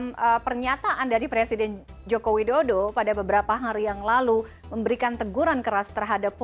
oke artinya mas dudi pernyataan dari presiden joko widodo pada beberapa hari yang lalu memberikan teguran keras terhadap polri